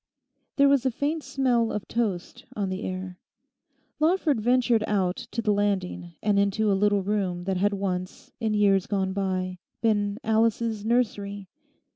There was a faint smell of toast on the air. Lawford ventured out on to the landing and into a little room that had once, in years gone by, been Alice's nursery.